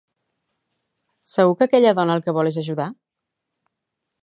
Segur que aquella dona el que vol és ajudar?